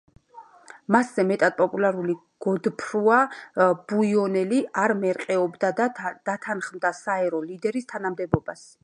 მასზე მეტად პოპულარული გოდფრუა ბუიონელი არ მერყეობდა და დათანხმდა საერო ლიდერის თანამდებობას.